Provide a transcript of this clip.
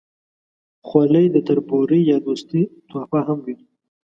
خولۍ د تربورۍ یا دوستۍ تحفه هم وي.